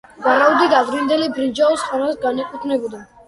ვარაუდით, ადრინდელი ბრინჯაოს ხანას განეკუთვნება.